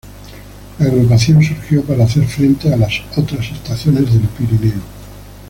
La agrupación surgió para hacer frente a las otras estaciones del Pirineo.